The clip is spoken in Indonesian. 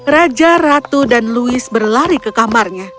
raja ratu dan louis berlari ke kamarnya